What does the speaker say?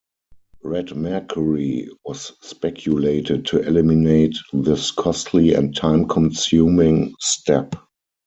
Red mercury was speculated to eliminate this costly and time-consuming step.